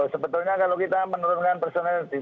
sebetulnya kalau kita menurunkan